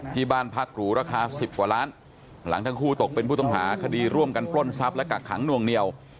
ที่บ้านพักหรูราคา๑๐กว่าล้านหลังทั้งคู่ตกเป็นผู้ต้องหาคดีร่วมกันปล้นทรัพย์และกักขังนวงเหนียว